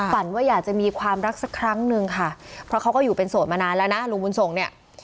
ฝันว่าอยากจะมีความรักสักครั้งนึงค่ะเพราะเขาก็อยู่เป็นโสดมานานแล้วนะลุงบุญส่งเนี่ย